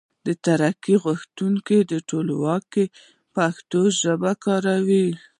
ترقي غوښتونکي ټولواک پښتو ته کار وکړ.